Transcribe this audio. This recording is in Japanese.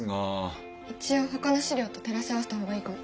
一応ほかの史料と照らし合わせた方がいいかも。